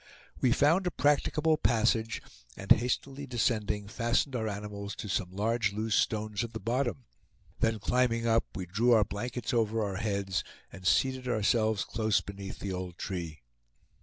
We found a practicable passage, and hastily descending, fastened our animals to some large loose stones at the bottom; then climbing up, we drew our blankets over our heads, and seated ourselves close beneath the old tree.